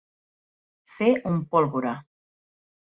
Ser una pólvora.